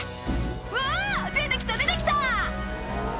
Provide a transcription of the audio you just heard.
「うわ！出てきた出てきた！」